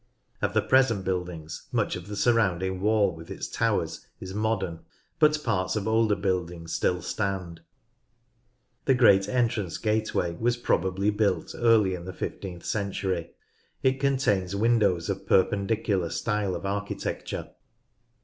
Of the present buildings, much of the surrounding wall with its towers is modern, but parts of older buildings still stand. The great entrance gateway was probably built early in the fifteenth century. It contains windows of Perpendicular style of architecture.